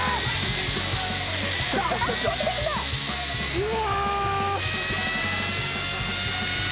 うわ！